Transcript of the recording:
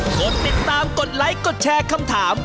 กดติดตามกดไลค์กดแชร์คำถาม